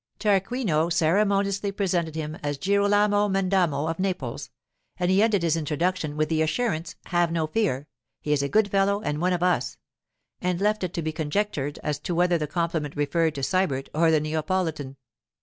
Tarquinio ceremoniously presented him as Girolamo Mendamo of Naples, and he ended his introduction with the assurance, 'Have no fear; he is a good fellow and one of us,' and left it to be conjectured as to whether the compliment referred to Sybert or the Neapolitan.